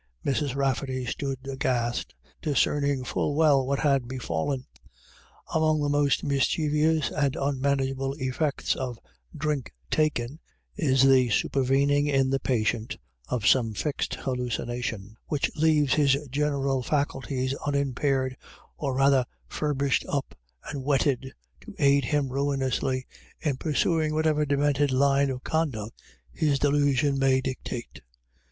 Mrs. Rafferty stood aghast, discerning full well what had befallen. Among the most mischievous and unmanageable effects of " drink taken," is the supervening in the patient of some fixed hallucina tion, which leaves his general faculties unimpaired, or rather furbished up and whetted to aid him ruinously in pursuing whatever demented line of conduct his delusion may dictate.